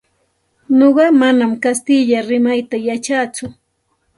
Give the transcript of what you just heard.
Nuqa manam kastilla rimayta yachatsu.